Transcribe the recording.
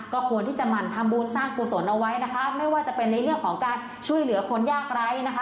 ก็ควรที่จะหมั่นทำบุญสร้างกุศลเอาไว้นะคะไม่ว่าจะเป็นในเรื่องของการช่วยเหลือคนยากไร้นะคะ